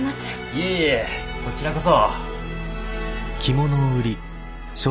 いえいえこちらこそ。